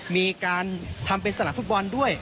มีการทำเป็นสนามฟุตบอลด้วย